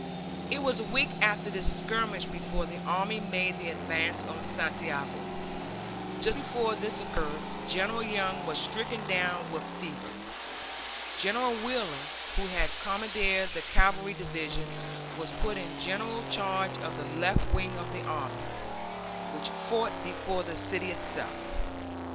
It was a week after this skirmish before the army made the advance on Santiago. Just before this occurred General Young was stricken down with fever. General Wheeler, who had commanded the Cavalry Division, was put in general charge of the left wing of the army, which fought before the city itself.